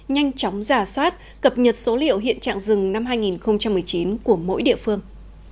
nhanh chóng giả soát cập nhật số liệu hiện trạng rừng năm hai nghìn một mươi chín của mỗi địa phương